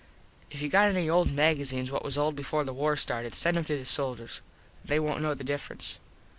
If you got any old magazenes what was old before the war started send em to the soldiers. They wont know the difference.